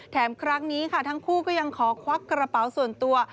ครั้งนี้ค่ะทั้งคู่ก็ยังขอควักกระเป๋าส่วนตัว